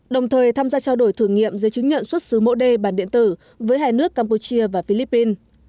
đồng thời tham gia trao đổi thử nghiệm giấy chứng nhận xuất xứ mẫu đê bản điện tử với hai nước campuchia và philippines